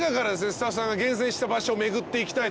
スタッフさんが厳選した場所巡っていきたいと思います。